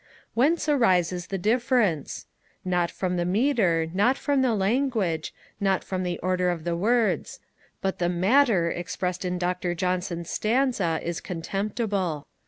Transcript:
Whence arises this difference? Not from the metre, not from the language, not from the order of the words; but the matter expressed in Dr. Johnson's stanza is contemptible.